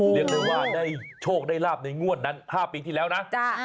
เรียกได้ว่าได้โชคได้ลาบในงวดนั้น๕ปีที่แล้วนะ